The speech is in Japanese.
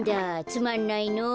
つまんないの。